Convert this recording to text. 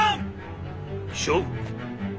勝負。